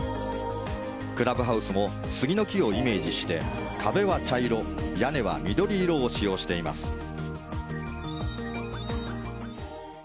クラブハウスも杉の木をイメージして壁は茶色、屋根は緑色を使用しています。